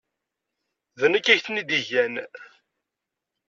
D nekk ay ten-id-igan.